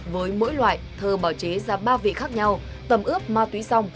với mỗi loại thơ bảo chế ra ba vị khác nhau tầm ướp ma túy xong